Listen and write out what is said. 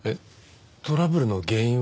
トラブルの原因は？